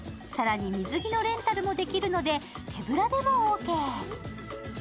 更に、水着のレンタルもできるので手ぶらでもオーケー。